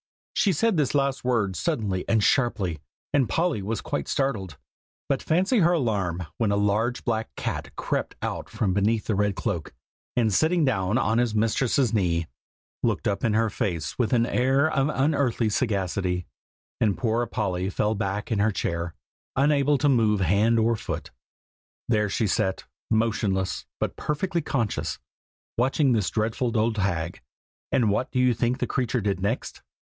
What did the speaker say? She said this last word suddenly and sharply, and Polly was quite startled; but fancy her alarm when a large black cat crept out from beneath the red cloak, and sitting down on his mistress's knee, looked up in her face with an air of unearthly sagacity, and poor Polly fell back in her chair, unable to move hand or foot. There she sat, motionless, but perfectly conscious, watching this dreadful old hag. And what do you think the creature did next?